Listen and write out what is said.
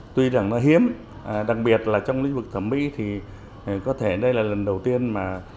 tuy rằng nó hiếm đặc biệt là trong lĩnh vực thẩm mỹ thì có thể đây là lần đầu tiên mà